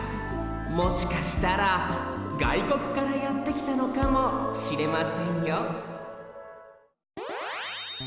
もしかしたらがいこくからやってきたのかもしれませんよ